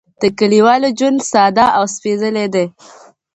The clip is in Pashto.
د کليوالو ژوند ساده او سپېڅلی دی.